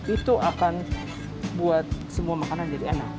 itu akan buat semua makanan jadi enak